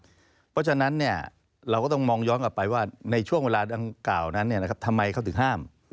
เพราะฉะนั้นเราก็ต้องมองย้อนกลับไปว่าในช่วงเวลาดังกล่าวนั้นทำไมเขาถึงห้าม